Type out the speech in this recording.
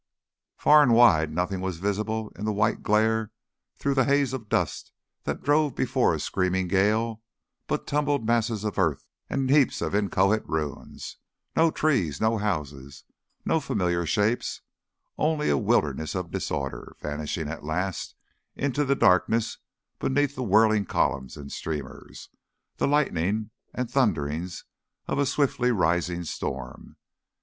Far and wide nothing was visible in the white glare through the haze of dust that drove before a screaming gale but tumbled masses of earth and heaps of inchoate ruins, no trees, no houses, no familiar shapes, only a wilderness of disorder vanishing at last into the darkness beneath the whirling columns and streamers, the lightnings and thunderings of a swiftly rising storm.